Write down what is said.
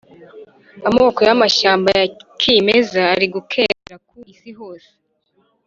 amoko y’amashyamba ya kimeza ari gukendera ku isi hose